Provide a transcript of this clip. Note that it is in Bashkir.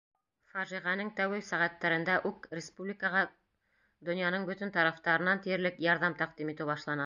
Фажиғәнең тәүге сәғәттәрендә үк республикаға донъяның бөтөн тарафтарынан тиерлек ярҙам тәҡдим итеү башлана.